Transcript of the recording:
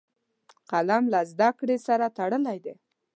قلم له زده کړې سره تړلی دی